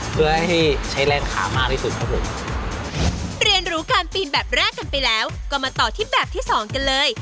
เพื่อให้ใช้แรงขามากที่สุดครับผมเรียนรู้การปีนแบบแรกกันไปแล้วก็มาต่อที่แบบที่สองกันเลย